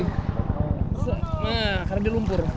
nah karena dia lumpur